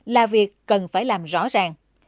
là việc cần phải làm rõ ràng